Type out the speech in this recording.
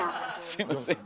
すいません。